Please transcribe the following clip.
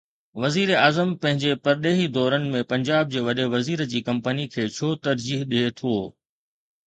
وزير اعظم پنهنجي پرڏيهي دورن ۾ پنجاب جي وڏي وزير جي ڪمپني کي ڇو ترجيح ڏئي ٿو؟